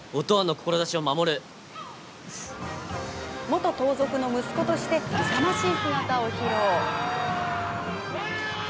元盗賊の息子として勇ましい姿を披露。